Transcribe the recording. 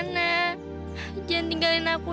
nanti akan p avo